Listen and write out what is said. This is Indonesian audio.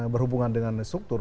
berhubungan dengan struktur